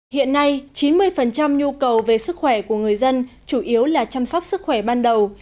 hiện nay chín mươi nhu cầu về sức khỏe của người dân chủ yếu là chăm sóc sức khỏe ban đầu